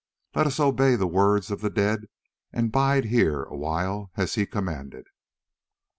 Let us obey the words of the dead and bide here awhile as he commanded."